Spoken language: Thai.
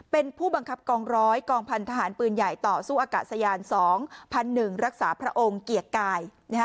เป็นผู้บังคับกองร้อยกองพันธหารปืนใหญ่ต่อสู้อากาศยาน๒๑๐๐รักษาพระองค์เกียรติกาย